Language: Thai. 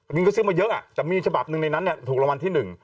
หนึ่งก็ซื้อมาเยอะอ่ะแต่มีฉบับหนึ่งในนั้นเนี่ยถูกระวัลที่หนึ่ง